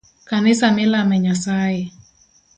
Kanisa milame nyasaye.